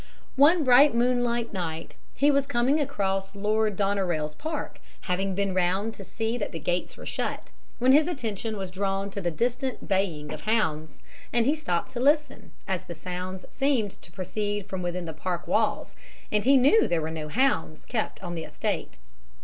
One bright moonlight night, he was coming across Lord Doneraile's park, having been round to see that the gates were shut, when his attention was drawn to the distant baying of hounds, and he stopped to listen, as the sounds seemed to proceed from within the park walls, and he knew there were no hounds kept on the estate.